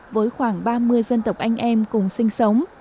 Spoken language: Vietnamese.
với khoảng ba mươi dân tộc anh em cùng sinh sống